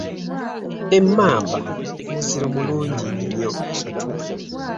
Emmamba muziro mulungi nnyo.